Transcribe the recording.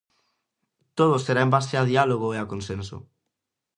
Todo será en base a diálogo e a consenso.